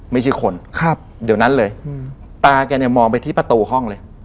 ไม่ใช่คนครับเดี๋ยวนั้นเลยอืมตาแกเนี่ยมองไปที่ประตูห้องเลย